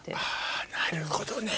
あなるほどね。